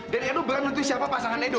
dan edo berang nentuin siapa pasangan edo